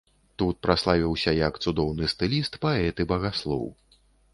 Тут праславіўся як цудоўны стыліст, паэт і багаслоў.